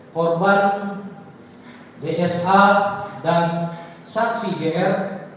korban dsh dan saksi gr